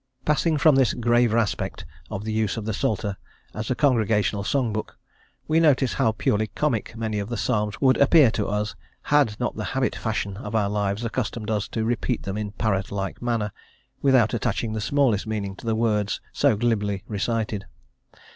Passing from this graver aspect of the use of the Psalter as a congregational song book, we notice how purely comic many of the psalms would appear to us had not the habit fashion of our lives accustomed us to repeat them in a parrot like manner, without attaching the smallest meaning to the words so glibly recited.